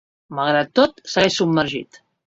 Malgrat tot, segueix submergit.